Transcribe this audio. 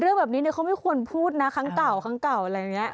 เรื่องแบบนี้เขาไม่ควรพูดนะครั้งเก่าครั้งเก่าอะไรอย่างนี้